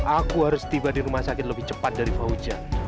aku harus tiba di rumah sakit lebih cepat dari fauzia